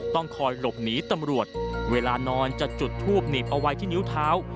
ต้องคอยหลบหนีตำรวจเวลานอนจะจุดทูบหนีบเอาไว้ที่นิ้วเท้า